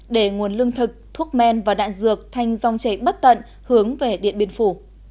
để nguồn lương thực thuốc men và đạn dược thành dòng chảy bất tận hướng về điện biên phủ